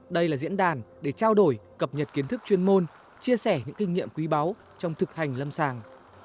đây là diễn đàn để trao đổi cập nhật kiến thức chuyên môn chia sẻ những kinh nghiệm quý báu trong thực hành lâm sàng